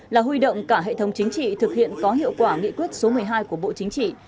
là huy động cả hệ thống chính trị thực hiện có hiệu quả nghị quyết số một mươi hai của bộ chính trị